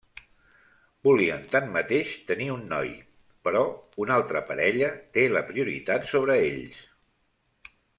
Volien tanmateix tenir un noi, però una altra parella té la prioritat sobre ells.